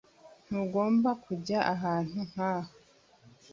Ntugomba kujya ahantu nk'aha.